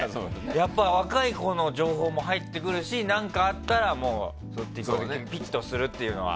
やっぱ若い子の情報も入ってくるし何かあったら、そういう時にピッとするというのは。